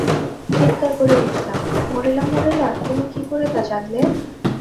চিৎকার করে উঠলাম, মোরেলা, মোরেলা, তুমি কী করে তা জানলে?